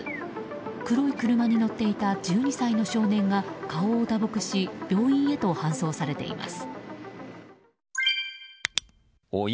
黒い車に乗っていた１２歳の少年が顔を打撲し病院へと搬送されています。